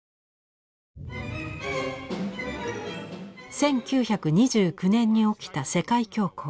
１９２９年に起きた世界恐慌。